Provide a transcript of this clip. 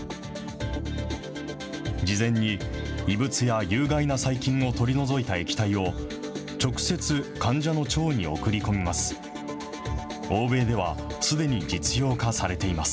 事前に異物や有害な細菌を取り除いた液体を直接、患者の腸に送り込みます。